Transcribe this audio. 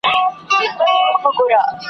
هره پاڼه يې غيرت دی ,